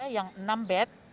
yang enam bed